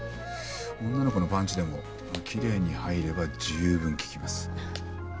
女の子のパンチでもきれいに入れば十分効きます。